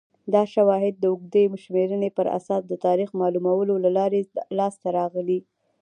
دا شواهد د اوږدې شمېرنې پر اساس د تاریخ معلومولو له لارې لاسته راغلي